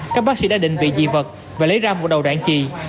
các bác sĩ đã định vị dị vật và lấy ra một đầu đạn trì